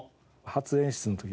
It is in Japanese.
初演出の時。